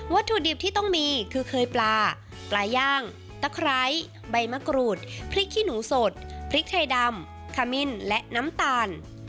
ถุดิบที่ต้องมีคือเคยปลาปลาย่างตะไคร้ใบมะกรูดพริกขี้หนูสดพริกไทยดำขมิ้นและน้ำตาล